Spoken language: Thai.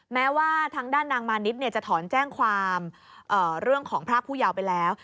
แม้ว่าทางด้านนางมานิดจะถอนแจ้งความเรื่องของพรากผู้ยาวไปแล้ว